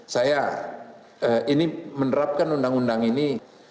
saya ini menerapkan undang undang ini